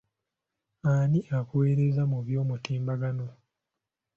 Ani akuweereza mu by'omutimbagano?